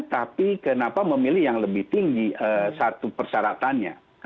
tapi kenapa memilih yang lebih tinggi satu persyaratannya